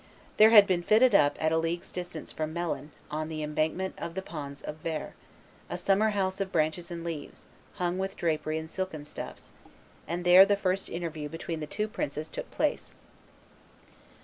There had been fitted up at a league's distance from Melun, on the embankment of the ponds of Vert, a summer house of branches and leaves, hung with drapery and silken stuffs; and there the first interview between the two princes took place.